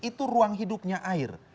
itu ruang hidupnya air